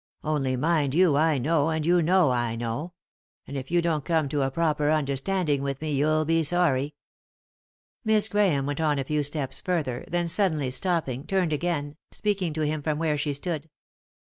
Only, mind you, I know, and you know I know ; and if you don't come to a proper understanding with me you'll be sorry." Miss Grahame went on a few steps further, then suddenly stopping, turned again, speaking to him from where she stood.